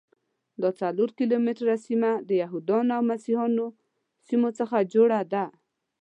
دا څلور کیلومتره سیمه د یهودانو او مسیحیانو سیمو څخه جوړه ده.